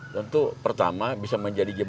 tentu pertama bisa menjadi